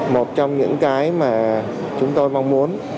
một trong những cái mà chúng tôi mong muốn